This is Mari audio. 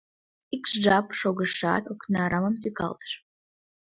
Ик жап шогышат, окна рамым тӱкалтыш.